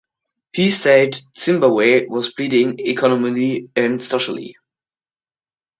He said Zimbabwe was bleeding, economically and socially.